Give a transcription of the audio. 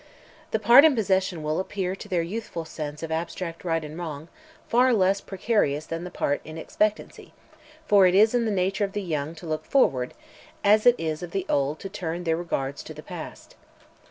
The part in possession will appear to their youthful sense of abstract right and wrong far less precious than the part in expectancy, for it is in the nature of the young to look forward, as it is of the old to turn their regards to the past.